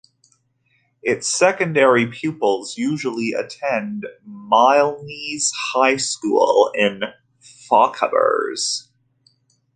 Its secondary pupils usually attend Milne's High School in Fochabers.